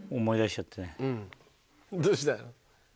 どうした？